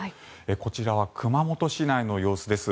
こちらは熊本市内の様子です。